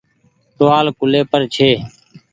ٽووآل ڪولي پر ڇي۔